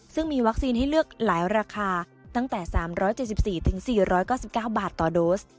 ซึ่งมีวัคซีนให้เลือกหลายราคาตั้งแต่๓๗๔๔๙๙บาทต่อโดส